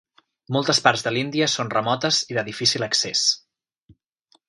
Moltes parts de l'Índia són remotes i de difícil accés.